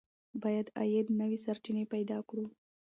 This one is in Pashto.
باید د عاید نوې سرچینې پیدا کړو.